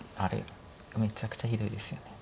めちゃくちゃひどいですよね。